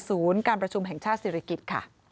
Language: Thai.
ศูนย์การประชุมแห่งชาติศิริกิจ